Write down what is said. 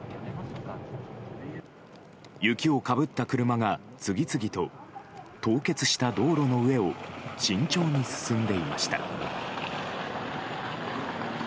雪をかぶった車が次々と凍結した道路の上を慎重に進んでいました。